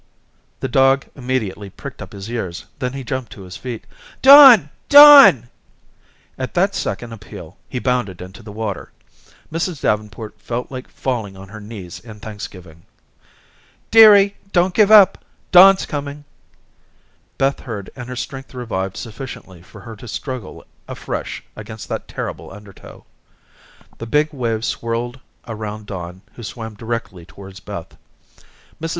The dog immediately pricked up his ears. Then he jumped to his feet. "Don, Don." At that second appeal, he bounded into the water. Mrs. Davenport felt like falling on her knees in thanksgiving. "Dearie, don't give up. Don's coming." Beth heard and her strength revived sufficiently for her to struggle afresh against that terrible undertow. The big waves swirled around Don who swam directly towards Beth. Mrs.